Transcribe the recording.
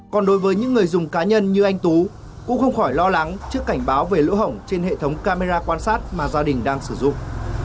còn đối với những người dùng cá nhân như anh tú cũng không khỏi lo lắng trước cảnh báo về lỗ hỏng trên hệ thống camera quan sát mà gia đình đang sử dụng